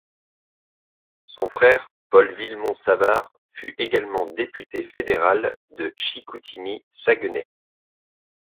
Son frère, Paul Vilmond Savard, fut également député fédéral de Chicoutimi—Saguenay.